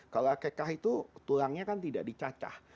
kalau akekah itu tulangnya kan tidak dicacah